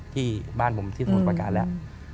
ที่บ้านผมที่สมุทรประการแล้ว